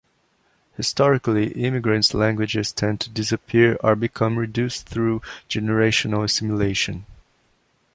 Historically, immigrants' languages tend to disappear or become reduced through generational assimilation.